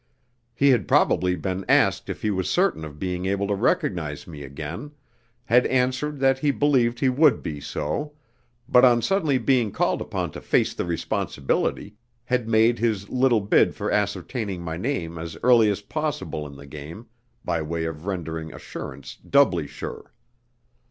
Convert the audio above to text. He had probably been asked if he was certain of being able to recognise me again, had answered that he believed he would be so, but on suddenly being called upon to face the responsibility, had made his little bid for ascertaining my name as early as possible in the game, by way of rendering assurance doubly sure.